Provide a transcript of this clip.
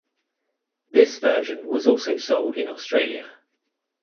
This version was also sold in Australia.